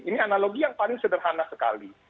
ini analogi yang paling sederhana sekali